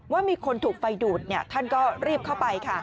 ว่ามีคนถูกไฟดูดท่านก็รีบเข้าไปค่ะ